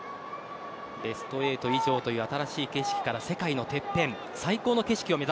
ベスト８以上という新しい景色から世界のてっぺん